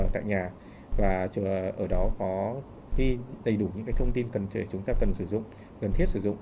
tại nhà và ở đó có đầy đủ những cái thông tin chúng ta cần sử dụng gần thiết sử dụng